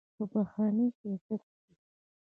په بهرني سیاست کې